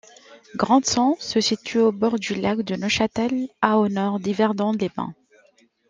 Grandson se situe au bord du lac de Neuchâtel à au nord d'Yverdon-les-Bains.